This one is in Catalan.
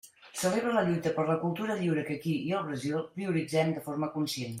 Celebra la lluita per la cultura lliure que aquí i al Brasil prioritzem de forma conscient.